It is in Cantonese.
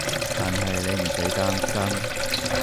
但係你唔使擔心